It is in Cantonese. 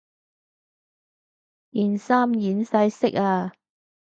件衫染晒色呀